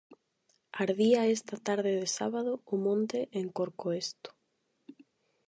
Ardía esta tarde de sábado o monte en Corcoesto.